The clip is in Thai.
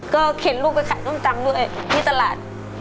เข็นลูกไปขายส้มตำด้วยที่ตลาด